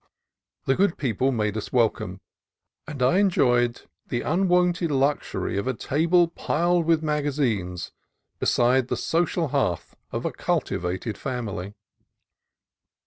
The good people made us welcome, and I en joyed the unwonted luxury of a table piled with mag azines beside the social hearth of a cultivated family.